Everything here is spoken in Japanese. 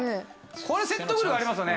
これ説得力ありますよね。